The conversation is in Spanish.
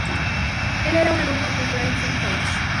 Él era un alumno en Brighton College.